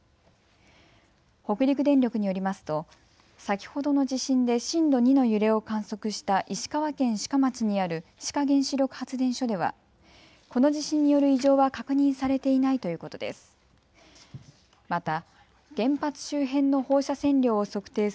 北陸電力によりますと先ほどの地震で震度２の揺れを観測した石川県志賀町にある志賀原子力発電所ではこの地震による異常は確認されていないということです。